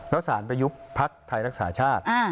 แล้วสารไปยุบพักไทยรักษาชาติ